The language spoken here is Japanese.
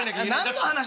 何の話だ？